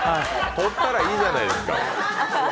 取ったらいいじゃないですか。